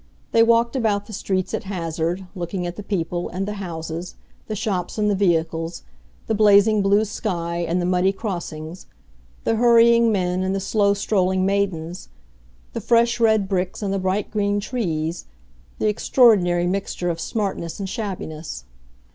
They walked about the streets at hazard, looking at the people and the houses, the shops and the vehicles, the blazing blue sky and the muddy crossings, the hurrying men and the slow strolling maidens, the fresh red bricks and the bright green trees, the extraordinary mixture of smartness and shabbiness.